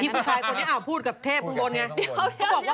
พี่ประชายคนนี้อ่ะพูดกับเทพพรุ่งบนไง